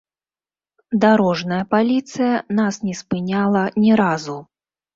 Дарожная паліцыя нас не спыняла ні разу.